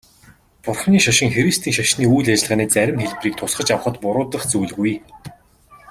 Бурханы шашин христийн шашны үйл ажиллагааны зарим хэлбэрийг тусгаж авахад буруудах зүйлгүй.